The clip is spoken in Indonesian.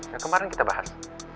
yang kemarin kita bahas